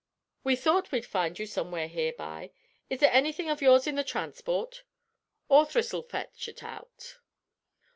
"We thought we'd find you somewheres here by. Is there anything of yours in the transport? Orth'ris'll fetch ut out."